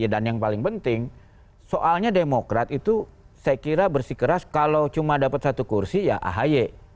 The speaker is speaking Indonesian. dan yang paling penting soalnya demokrat itu saya kira bersih keras kalau cuma dapat satu kursi ya ahaye